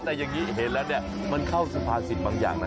แต่อย่างนี้เห็นแล้วมันเข้าสุภาษีบางอย่างนะ